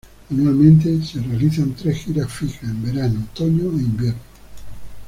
Anualmente se realizan tres giras fijas: en verano, otoño e invierno.